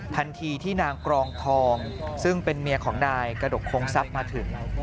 ทันทีที่นางกรองทองซึ่งเป็นเมียของนายกระดกโครงทรัพย์มาถึง